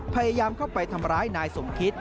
พยายามเข้าไปทำร้ายนายสมคิต